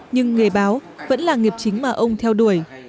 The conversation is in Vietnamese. nhưng nghề báo vẫn là nghiệp chính mà ông theo đuổi